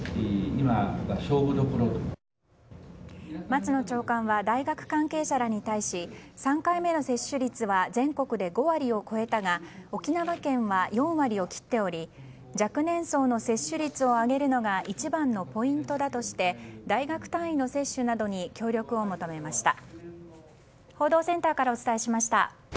松野長官は大学関係者らに対し３回目の接種率は全国で５割を超えたが沖縄県は４割を切っており若年層の接種率を上げるのが一番のポイントだとして大学単位の接種などに協力を求めました。